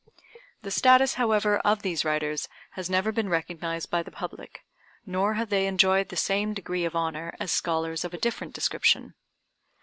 The status, however, of these writers has never been recognized by the public, nor have they enjoyed the same degree of honor as scholars of a different description.